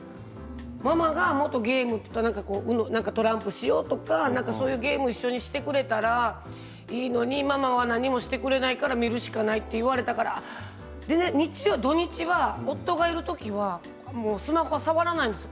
ママがもっとゲームとかトランプをしようとかそういうゲームを一緒にしてくれたらいいのにママは何もしてくれないから見るしかないと言われたので土曜日、日曜日は夫がいる時にはスマホは触らないんですよ